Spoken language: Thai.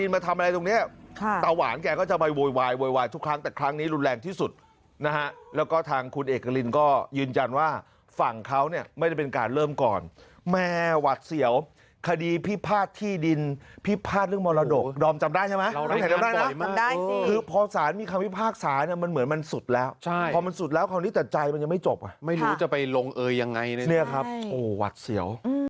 ผมฝากเรื่องไว้กับทนาหมดแล้วครับไม่